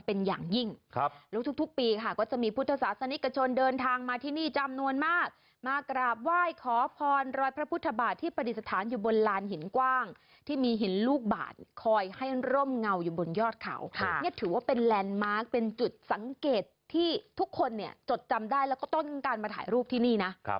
ที่ทุกคนจดจำได้แล้วก็ต้องการมาถ่ายรูปที่นี่นะ